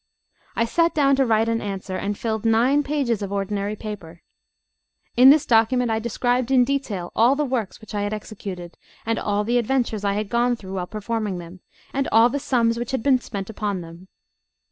I sat down to write an answer, and filled nine pages of ordinary paper. In this document I described in detail all the works which I had executed, and all the adventures I had gone through while performing them, and all the sums which had been spent upon them.